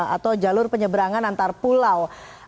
atau jalur penyeberangan antar pulau